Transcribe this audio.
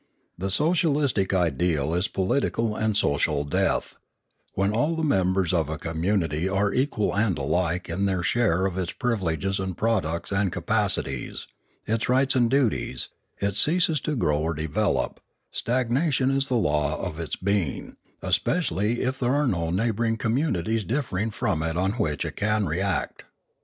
The socia listic ideal is political and social death; when all the members of a community are equal and alike in their share of its privileges and products and capacities, its rights and duties, it ceases to grow or develop; stagna tion is the law of its being, especially if there are no neighbouring communities differing from it on which it can react.